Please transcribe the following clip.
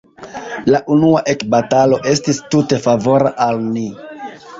La unua ekbatalo estis tute favora al ni.